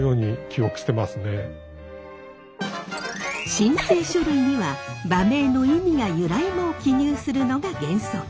申請書類には馬名の意味や由来も記入するのが原則。